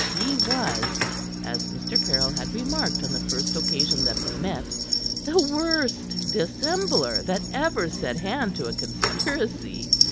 He was as Mr. Caryll had remarked on the first occasion that they met the worst dissembler that ever set hand to a conspiracy.